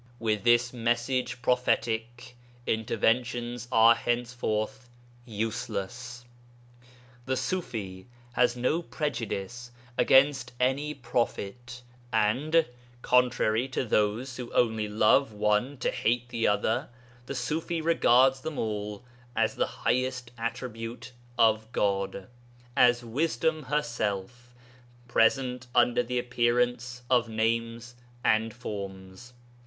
With this message prophetic interventions are henceforth useless. 'The Ṣufi has no prejudice against any prophet, and, contrary to those who only love one to hate the other, the Ṣufi regards them all as the highest attribute of God, as Wisdom herself, present under the appearance of names and forms.